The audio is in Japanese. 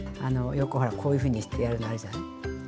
あのよくほらこういうふうにしてやるのあるじゃない？